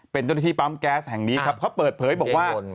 เป็นเจ้าหน้าที่ปั๊มแก๊สแห่งนี้ครับเขาเปิดเผยบอกว่า